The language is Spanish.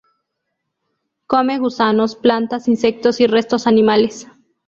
Come gusanos, plantas, insectos y restos animales.